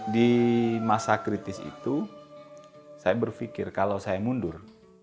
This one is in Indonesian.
di masa kritis itu saya berpikir kalau saya mundur